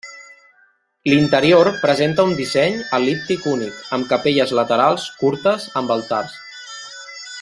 L'interior presenta un disseny el·líptic únic, amb capelles laterals curtes amb altars.